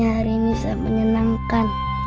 rasanya hari ini sangat menyenangkan